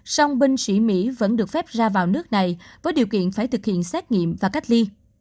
song binh sĩ mỹ vẫn được phép ra vào nước này với điều kiện phải thực hiện xét nghiệm và cách ly